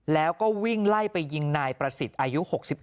แล้วก็วิ่งไล่ไปยิงนายประสิทธิ์อายุ๖๑